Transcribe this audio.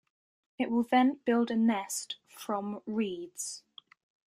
It will then build a nest from reeds.